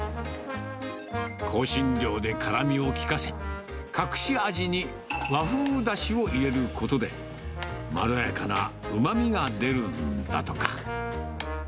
香辛料で辛みを利かせ、隠し味に和風だしを入れることで、まろやかなうまみが出るんだとか。